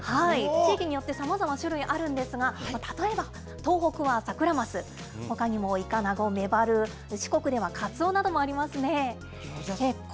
地域によってさまざま種類あるんですが、例えば、東北はサクラマス、ほかにもイカナゴ、メバル、四国ではカツオなどもありますね。